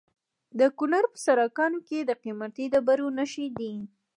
د کونړ په سرکاڼو کې د قیمتي ډبرو نښې دي.